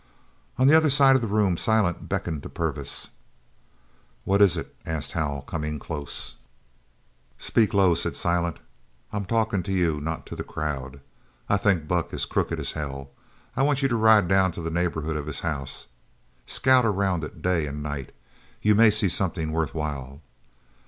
On the other side of the room Silent beckoned to Purvis. "What is it?" asked Hal, coming close. "Speak low," said Silent. "I'm talking to you, not to the crowd. I think Buck is crooked as hell. I want you to ride down to the neighbourhood of his house. Scout around it day and night. You may see something worth while."